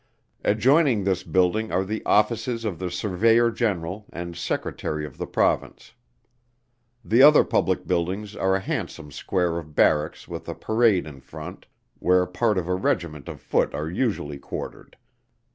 Adjoining this building are the Offices of the Surveyor General and Secretary of the Province. The other public buildings are a handsome square of Barracks with a Parade in front, where part of a Regiment of foot are usually quartered.